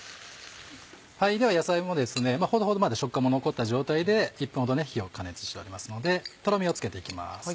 では野菜もほどほどまだ食感も残った状態で１分ほど火を加熱しておりますのでとろみをつけて行きます。